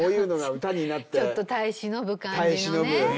ちょっと耐え忍ぶ感じのね。